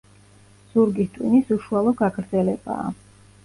ზურგის ტვინის უშუალო გაგრძელებაა.